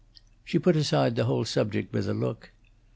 She put aside the whole subject with a look.